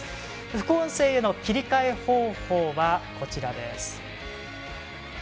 副音声の切り替え方法はこちらです。